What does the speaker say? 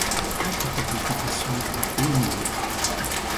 Elle pratique l'équitation à haut niveau.